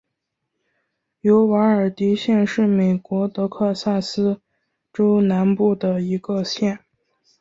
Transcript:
尤瓦尔迪县是美国德克萨斯州南部的一个县。